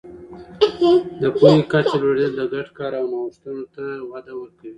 د پوهې کچه لوړېدل د ګډ کار او نوښتونو ته وده ورکوي.